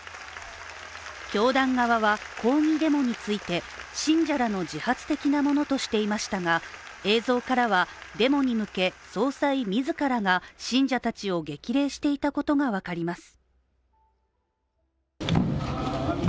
教団側は抗議デモについて信者らの自発的なものとしていましたが映像からはデモに向け、総裁自らが信者たちを激励していたことが分かります。